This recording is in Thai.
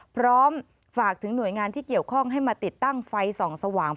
พร้อมฝากถึงหน่วยงานที่เกี่ยวข้องให้มาติดตั้งไฟส่องสว่าง